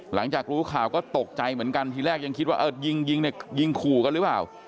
หลังจากรู้ข่าวก็ตกใจเหมือนกันที่แรกยังคิดว่ายิงคู่กันหรือเปล่า